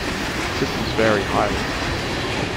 Systems vary highly.